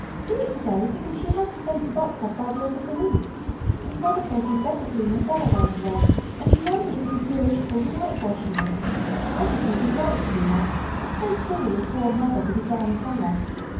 Do it to day, because she has to send the box off by the end of the week. And mother says you better clean the cellar right away, and she wondered if you'd feel equal to whitewashing it. I should think you'd like to do that, it's so cool this warm weather to be down cellar.